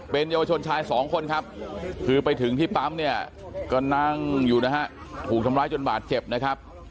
เป็นเยาวชนชายสองคนครับคือไปถึงที่ปั๊มเนี่ยก็นั่งอยู่นะฮะถูกทำร้ายจนบาดเจ็บนะครับ